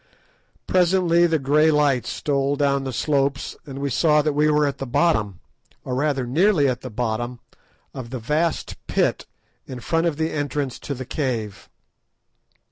Presently the grey light stole down the slopes, and we saw that we were at the bottom, or rather, nearly at the bottom, of the vast pit in front of the entrance to the cave.